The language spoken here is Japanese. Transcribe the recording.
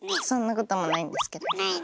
そんなこともないんですけどね。